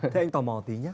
thế anh tò mò tí nhé